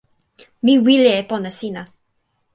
mi wile e pona sina.